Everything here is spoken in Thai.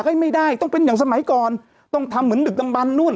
ไม่ได้ต้องเป็นอย่างสมัยก่อนต้องทำเหมือนดึกดังบันนู่น